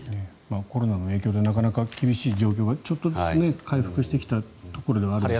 コロナの影響でなかなか厳しい状況がちょっとずつ回復してきたところではあるんですが。